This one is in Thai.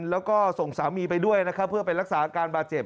แล้วก็ส่งสามีไปด้วยนะครับเพื่อไปรักษาอาการบาดเจ็บ